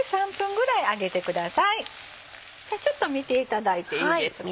ちょっと見ていただいていいですか？